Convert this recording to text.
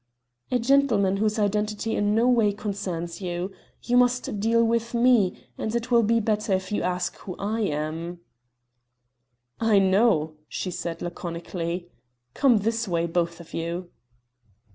"A gentleman whose identity in no way concerns you. You must deal with me, and it will be better if you ask who I am." "I know," she said, laconically. "Come this way, both of you."